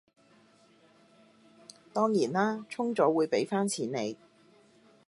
當然啦，充咗會畀返錢你